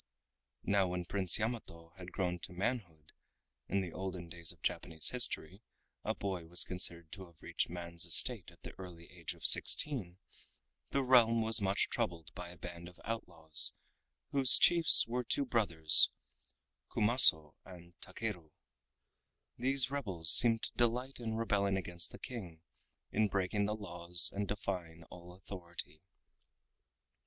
Now when Prince Yamato had grown to manhood (in the olden days of Japanese history, a boy was considered to have reached man's estate at the early age of sixteen) the realm was much troubled by a band of outlaws whose chiefs were two brothers, Kumaso and Takeru. These rebels seemed to delight in rebelling against the King, in breaking the laws and defying all authority.